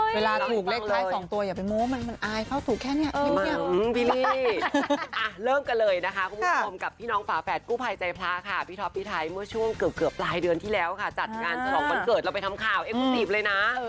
เพราะว่าดิฉันถูกเลขจากพี่ท้อพพี่ไทยเอามา่อย่าพึงลองสั่งเลย